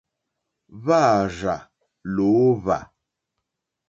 Hwá àrzà lǒhwà.